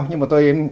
nhưng mà tôi